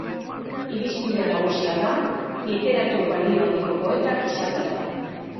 Irizpide nagusia da literatur balio handiko poetak izatea.